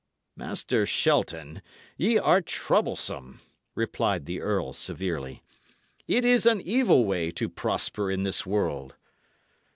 "Master Shelton, ye are troublesome," replied the earl, severely. "It is an evil way to prosper in this world.